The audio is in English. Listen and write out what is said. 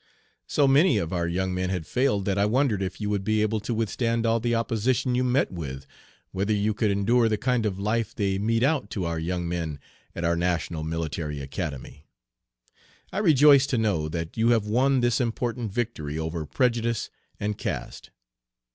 So many of our young men had failed that I wondered if you would be able to withstand all the opposition you met with, whether you could endure the kind of life they mete out to our young men at our national Military Academy. I rejoice to know that you have won this important victory over prejudice and caste.